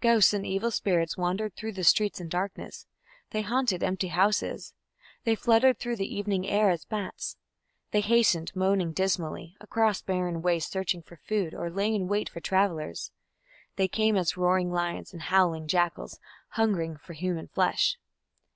Ghosts and evil spirits wandered through the streets in darkness; they haunted empty houses; they fluttered through the evening air as bats; they hastened, moaning dismally, across barren wastes searching for food or lay in wait for travellers; they came as roaring lions and howling jackals, hungering for human flesh.